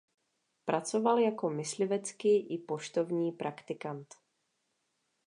Pracoval jako myslivecký i poštovní praktikant.